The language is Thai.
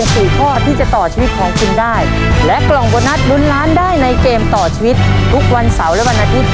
สวัสดีครับ